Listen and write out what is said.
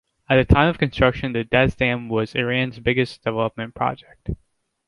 At the time of construction the Dez Dam was Iran's biggest development project.